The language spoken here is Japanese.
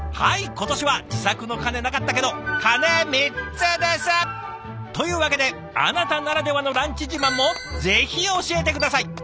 今年は自作の鐘なかったけど鐘３つです！というわけであなたならではのランチ自慢もぜひ教えて下さい。